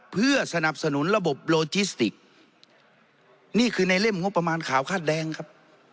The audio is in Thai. เพื่อสนับสนุนระบบโลจิสติกนี่คือในเล่มงบประมาณขาวคาดแดงครับ